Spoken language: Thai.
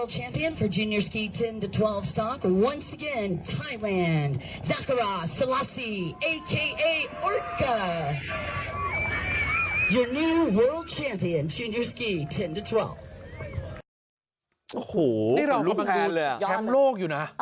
แชมป์โลกอยู่นะ